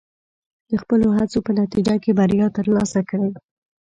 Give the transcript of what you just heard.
د خپلو هڅو په نتیجه کې بریا ترلاسه کړئ.